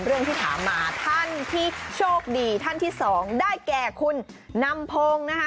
เรื่องที่ถามมาท่านที่โชคดีท่านที่สองได้แก่คุณนำพงศ์นะคะ